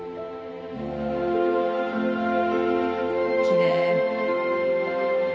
「きれい」